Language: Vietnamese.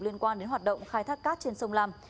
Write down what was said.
liên quan đến hoạt động khai thác cát trên sông lam